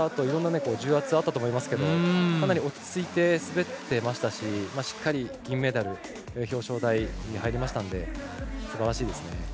いろんな重圧あったと思いますけどかなり落ち着いて滑ってましたししっかり、銀メダル表彰台に入りましたのですばらしいですね。